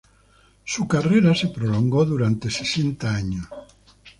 Su carrera se prolongó durante sesenta años.